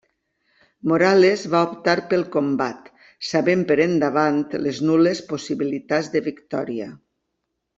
Morales va optar pel combat sabent per endavant les nul·les possibilitats de victòria.